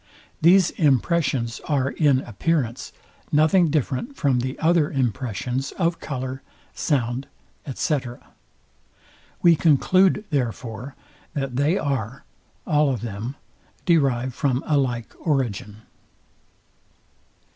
These impressions are in appearance nothing different from the other impressions of colour, sound, &c. We conclude, therefore, that they are, all of them, derived from a like origin.